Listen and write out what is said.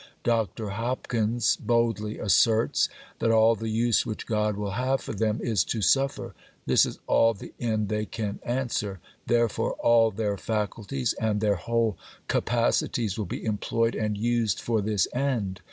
Dr. Hopkins boldly asserts, that 'all the use which God will have for them is to suffer; this is all the end they can answer; therefore all their faculties, and their whole capacities, will be employed and used for this end....